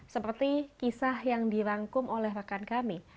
seperti kisah yang dirangkum oleh rekan kami